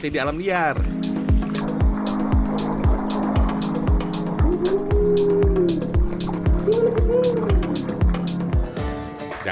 tidak diserang pilihan ini water